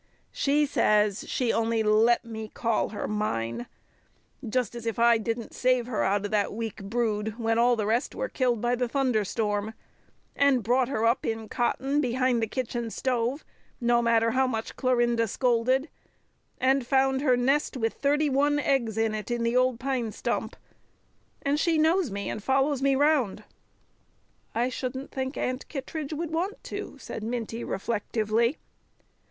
"She says she only let me call her mine. Just as if I didn't save her out of that weak brood when all the rest were killed by the thunderstorm! And brought her up in cotton behind the kitchen stove, no matter how much Clorinda scolded! And found her nest with thirty one eggs in it in the old pine stump! And she knows me and follows me round." "I shouldn't think Aunt Kittredge would want to," said Minty reflectively.